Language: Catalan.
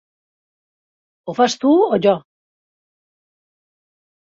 Ho fas tu o jo?